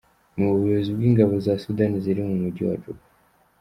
Umuyobozi bw’ingabo za Sudani ziri mu mujyi wa Juba,